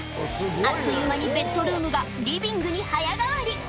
あっという間にベッドルームがリビングに早変わり。